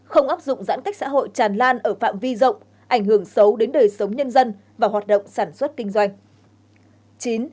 không áp dụng giãn cách xã hội tràn lan ở phạm vi rộng ảnh hưởng xấu đến đời sống nhân dân và hoạt động sản xuất kinh doanh